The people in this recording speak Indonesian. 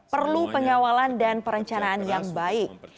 perlu pengawalan dan perencanaan yang baik